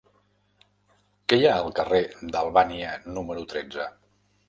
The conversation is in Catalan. Què hi ha al carrer d'Albània número tretze?